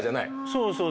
そうそう。